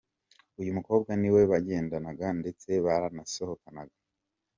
Uyu mukobwa ni we bagendanaga ndetse baranasohokanaga.